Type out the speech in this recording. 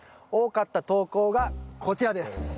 多かった投稿がこちらです。